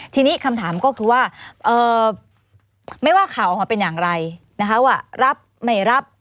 ทีนี้คำถามก็คือว่าไม่ว่าข่าวออกมาเป็นอย่างไรนะคะว่ารับไม่รับ